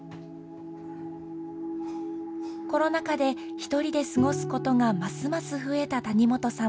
コロナ禍でひとりで過ごすことがますます増えた谷本さん。